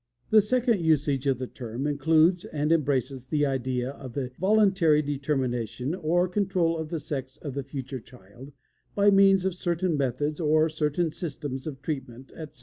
The second usage of the term, includes and embraces the idea of the voluntary determination or control of the sex of the future child, by means of certain methods or certain systems of treatment, etc.